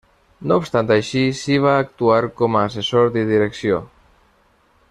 No obstant així si va actuar com a assessor de direcció.